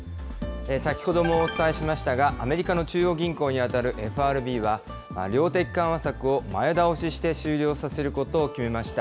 先ほどもお伝えしましたが、アメリカの中央銀行に当たるＦＲＢは、量的緩和策を前倒しして終了させることを決めました。